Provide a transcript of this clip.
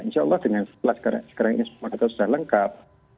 insya allah dengan sebuah maklumat yang sudah lengkap